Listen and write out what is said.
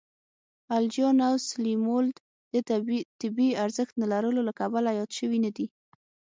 الجیان او سلیمولد د طبی ارزښت نه لرلو له کبله یاد شوي نه دي.